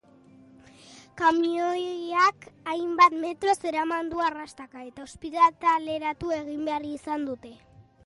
Kamioiak hainbat metroz eraman du arrastaka, eta ospitaleratu egin behar izan dute.